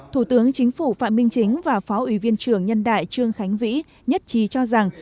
thủ tướng chính phủ phạm minh chính và phó ủy viên trưởng nhân đại trương khánh vĩ nhất trí cho rằng